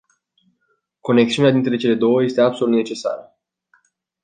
Conexiunea dintre cele două este absolut necesară.